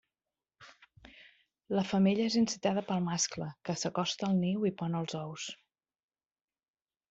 La femella és incitada pel mascle que s'acosta al niu i pon els ous.